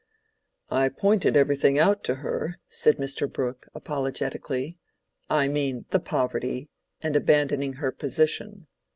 "I pointed everything out to her," said Mr. Brooke, apologetically—"I mean the poverty, and abandoning her position.